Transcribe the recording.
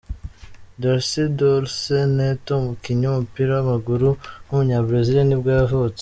Darcy Dolce Neto, umukinnyi w’umupira w’amaguru w’umunyabrazil nibwo yavutse.